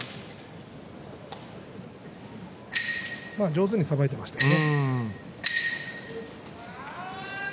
上手にさばいていましたね。